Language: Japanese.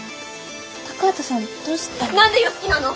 高畑さんどうしたの？